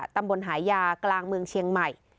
ตำบลหายากลางเมืองเชียงใหม่